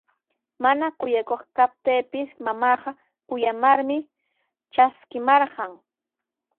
Mana kuyakuq kaptiipis mamaaqa kuyamarmi traskimarqan.